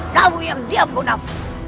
kau yang diam gunam